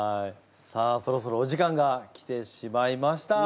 さあそろそろお時間が来てしまいました。